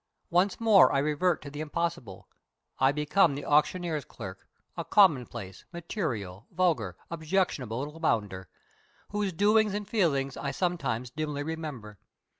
Once more I revert to the impossible: I become the auctioneer's clerk a commonplace, material, vulgar, objectionable little bounder, whose doings and feelings I sometimes dimly remember.